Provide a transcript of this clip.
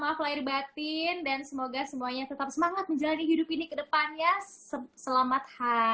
maaf lahir batin dan semoga semuanya tetap semangat menjalani hidup ini ke depannya selamat